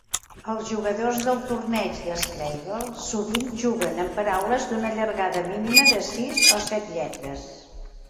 Els jugadors del torneig de Scrabble sovint juguen amb paraules d'una llargada mínima de sis o set lletres.